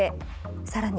さらに。